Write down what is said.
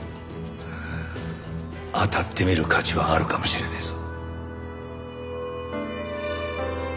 あたってみる価値はあるかもしれねえぞ。